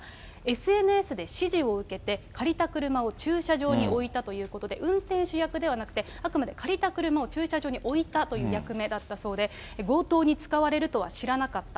ＳＮＳで指示を受けて、借りた車を駐車場に置いたということで、運転手役ではなくて、あくまで借りた車を駐車場に置いたという役目だったそうで、強盗に使われるとは知らなかった。